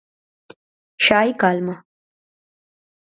¿Xa hai calma?